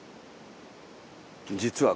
実は。